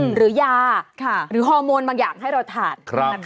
หรือยาหรือฮอร์โมนบางอย่างให้เราทาน